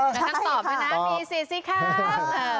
ต้องตอบนะมีสิทธิ์สิครับ